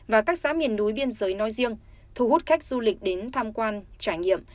và các xã miền núi biên giới nói riêng thu hút khách du lịch đến tham quan trải nghiệm